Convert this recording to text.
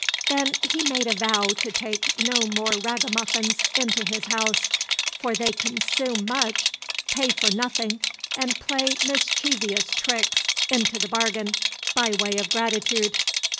Then he made a vow to take no more ragamuffins into his house, for they consume much, pay for nothing, and play mischievous tricks into the bargain by way of gratitude.